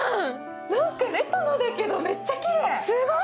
なんかレトロだけど、めっちゃきれい。